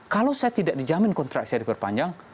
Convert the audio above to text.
kalau saya tidak dijamin kontrak saya diperpanjang